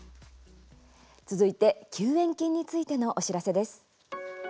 続いて、救援金についてのお知らせです。